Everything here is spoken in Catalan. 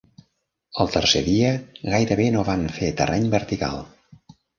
El tercer dia, gairebé no van fer terreny vertical.